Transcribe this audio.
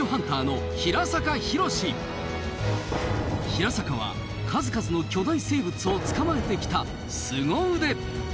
平坂は数々の巨大生物を捕まえてきたスゴ腕！